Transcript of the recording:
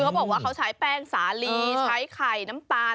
เขาบอกว่าเขาใช้แป้งสาลีใช้ไข่น้ำตาล